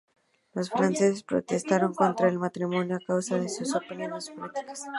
Los franceses protestaron contra el matrimonio a causa de sus opiniones políticas.